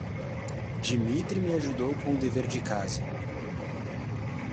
Dimitrij me ajudou com o dever de casa.